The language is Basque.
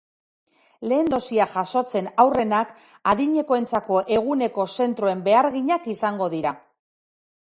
Lehen dosia jasotzen aurrenak adinekoentzako eguneko zentroen beharginak izango dira.